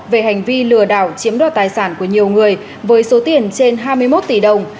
về hành vi lừa đảo chiếm đoạt tài sản của nhiều người với số tiền trên hai mươi một tỷ đồng